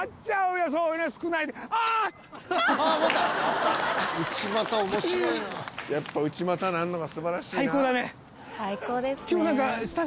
「やっぱ内股なるのが素晴らしいな」